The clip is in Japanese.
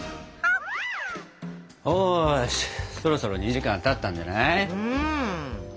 よしそろそろ２時間たったんじゃない？